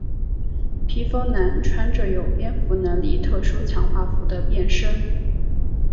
披风男穿着有蝙蝠能力特殊强化服的变身。